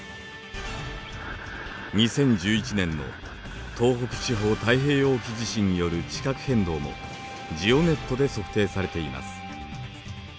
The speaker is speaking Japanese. ２０１１年の東北地方太平洋沖地震による地殻変動もＧＥＯＮＥＴで測定されています。